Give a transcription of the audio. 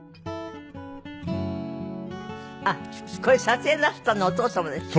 あっこれ撮影なすったのお父様ですって。